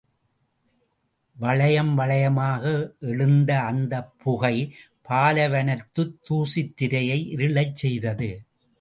வளையம் வளையமாக எழுந்த அந்தப் புகை, பாலைவனத்துத் தூசித் திரையை இருளச் செய்தது.